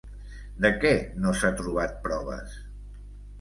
De què no s'ha trobat proves?